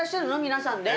皆さんで？